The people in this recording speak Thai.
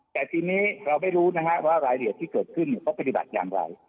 แต่ทีนี้เราไม่รู้นะฮะว่ารายละเอียดที่เกิดขึ้นเขาปฏิบัติอย่างไร